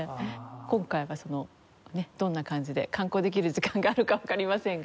今回はそのねどんな感じで観光できる時間があるかわかりませんが。